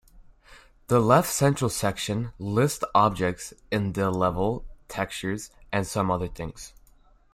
The left central section lists objects in the level, textures, and some other things.